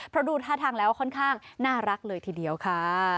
เพราะดูท่าทางแล้วค่อนข้างน่ารักเลยทีเดียวค่ะ